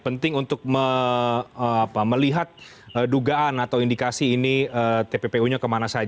penting untuk melihat dugaan atau indikasi ini tppu nya kemana saja